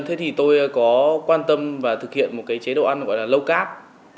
thế thì tôi có quan tâm và thực hiện một cái chế độ ăn gọi là low carb